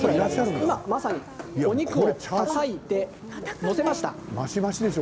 今まさにお肉をたたいて載せました。